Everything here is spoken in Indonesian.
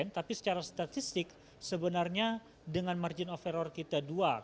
tapi secara statistik sebenarnya dengan margin of error kita dua